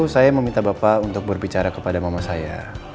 saya meminta bapak untuk berbicara kepada mama saya